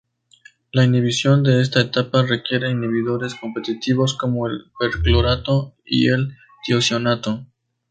La inhibición de esta etapa requiere inhibidores competitivos, como el perclorato y el tiocianato.